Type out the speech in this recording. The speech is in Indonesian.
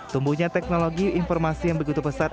tumbuhnya teknologi informasi yang begitu pesat